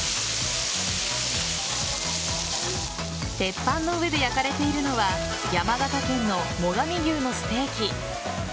鉄板の上で焼かれているのは山形県の最上牛のステーキ。